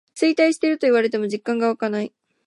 衰退してると言われても実感わかない